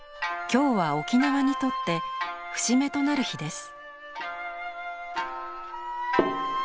今日は沖縄にとって節目となる日です。